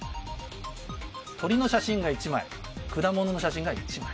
鳥の写真が１枚果物の写真が１枚。